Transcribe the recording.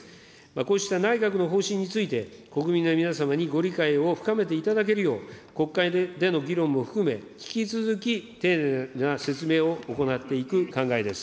こうした内閣の方針について、国民の皆様にご理解を深めていただけるよう、国会での議論も含め、引き続き丁寧な説明を行っていく考えです。